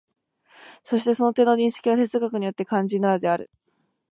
そしてその点の認識が哲学にとって肝要なのである。